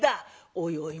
「おいおい